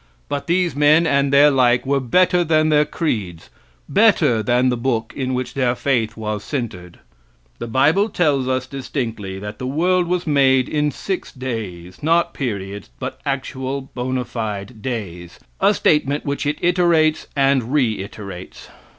But these men and their like were better than their creeds; better than the book in which their faith was centered. The bible tells us distinctly that the world was made in six days not periods, but actual, bona fide days a statement which it iterates and reiterates.